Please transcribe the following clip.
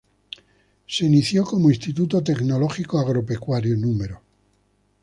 Se inició como Instituto Tecnológico Agropecuario No.